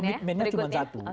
komitmennya cuma satu